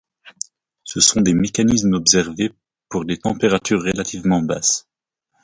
Ce sont des mécanismes observés pour des températures relativement basses.